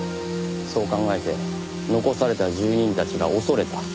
そう考えて残された住民たちが恐れた。